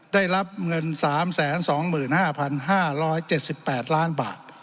ได้รับเงิน๓๒๕๕๗๘ล้านบาท